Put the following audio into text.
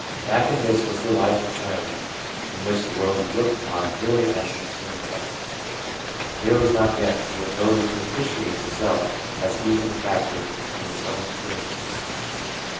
Back of this was the life of child hood, in which the world was looked upon purely as an external fact ; there was not yet the ability to appreciate the self as even a factor in its own experiences.